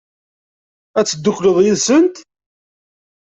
Ad teddukleḍ yid-sent?